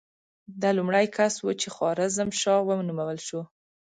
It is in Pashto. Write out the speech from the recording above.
ده لومړی کس و چې خوارزم شاه ونومول شو.